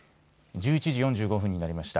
１１時４５分になりました。